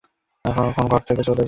আপনি এখন আমার ঘর থেকে চলে যান।